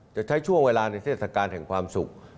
จะใช้ช่วงเวลาในเทศกาลแห่งความสุข